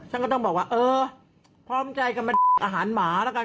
ฉันก็ต้องบอกว่าเออพร้อมใจกันเป็นอาหารหมาแล้วกัน